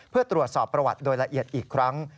เพื่อตรวจสอบประวัติโดยละเอียดอีกครั้ง